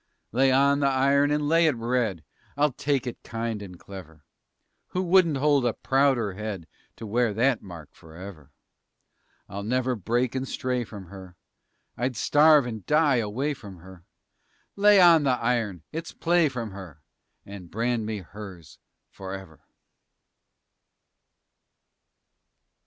Lay on the iron, and lay it red! I'll take it kind and clever. Who wouldn't hold a prouder head To wear that mark forever? I'll never break and stray from her; I'd starve and die away from her. Lay on the iron it's play from her And brand me hers forever!